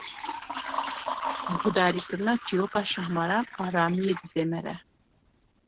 Guhdarîkirina çîroka şahmaran, aramiyê dide mere.